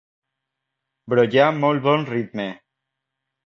Brollà amb molt bon ritme.